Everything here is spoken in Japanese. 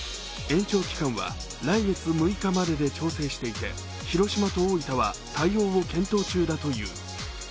延長期間は来月６日までで調整していて、広島と大分は対応を検討中だという。